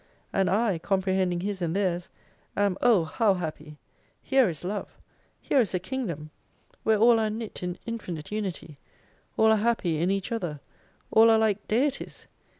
And I, comprehending His and theirs, am Oh, how happy ! Here is love ! Here is a kingdom ! Where all are knit in infinite unity. All are happy in each other. All are like Deities.